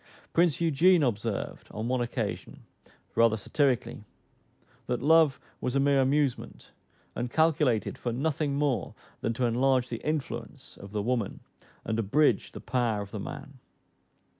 Prince Eugene observed, on one occasion, rather satirically, that love was a mere amusement, and calculated for nothing more than to enlarge the influence of the woman, and abridge the power of the man.